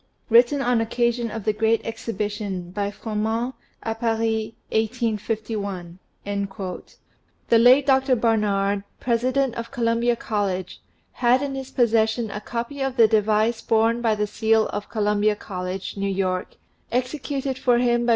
Written on occasion of the Great Exhibition, by Froment, a Paris, 1851." The late Dr. Barnard, President of Columbia College, had in his possession a copy of the device borne by the seal of Columbia College, New York, executed for him by M.